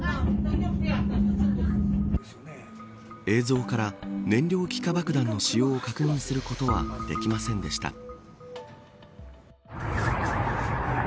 映像から燃料気化爆弾の使用を確認することはできませんでした。